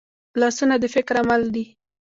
لاسونه د فکر عمل دي